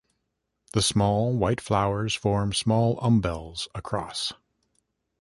The small white flowers form small umbels, across.